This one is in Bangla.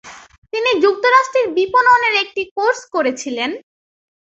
তিনি যুক্তরাষ্ট্রে বিপণনের একটি কোর্স করেছিলেন।